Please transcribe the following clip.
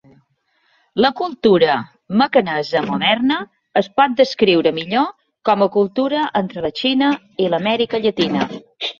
La cultura macanesa moderna es pot descriure millor com a cultura entre la Xina i l'Amèrica Llatina.